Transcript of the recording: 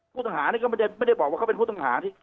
ผู้ต้องหานี่ก็ไม่ได้บอกว่าเขาเป็นผู้ต้องหาที่